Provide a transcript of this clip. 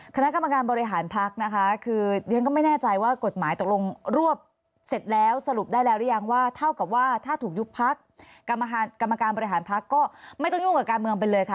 คณะกรรมการบริหารพักนะคะคือเรียนก็ไม่แน่ใจว่ากฎหมายตกลงรวบเสร็จแล้วสรุปได้แล้วหรือยังว่าเท่ากับว่าถ้าถูกยุบพักกรรมการบริหารพักก็ไม่ต้องยุ่งกับการเมืองไปเลยค่ะ